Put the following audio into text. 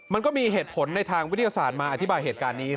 มันก็มีเหตุผลในทางวิทยาศาสตร์มาอธิบายเหตุการณ์นี้